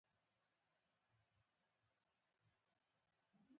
د کوربه لویې کلا ته ورسېدو.